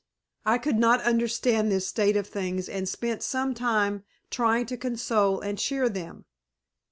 I could not understand this state of things and spent some time trying to console and cheer them.